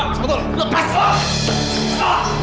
mas madaulah lepaskan